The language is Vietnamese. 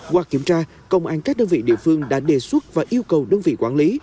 qua kiểm tra công an các đơn vị địa phương đã đề xuất và yêu cầu đơn vị quản lý